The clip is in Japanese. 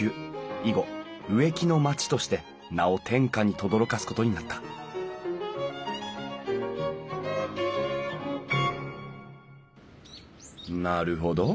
以後「植木の町」として名を天下にとどろかす事になったなるほど。